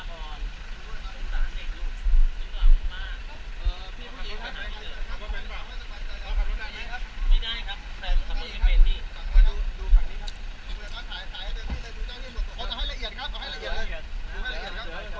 สวัสดีครับ